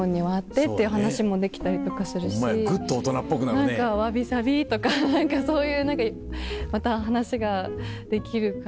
何かわびさびとかそういうまた話ができるから。